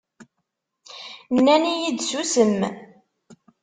Nnan-iyi-d susem.